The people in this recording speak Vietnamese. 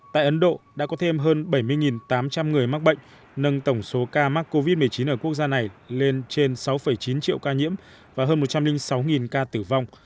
tại ấn độ đã có thêm hơn bảy mươi tám trăm linh người mắc bệnh nâng tổng số ca mắc covid một mươi chín ở quốc gia này lên trên sáu chín triệu ca nhiễm và hơn một trăm linh sáu ca tử vong